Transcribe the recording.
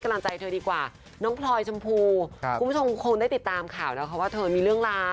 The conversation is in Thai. กำลังใจเธอดีกว่าน้องพลอยชมพูคุณผู้ชมคงได้ติดตามข่าวนะคะว่าเธอมีเรื่องราว